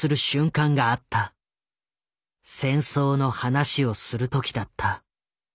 戦争の話をする時だった。